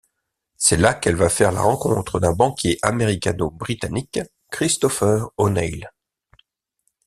C'est là qu'elle va faire la rencontre d'un banquier américano-britannique, Christopher O'Neill.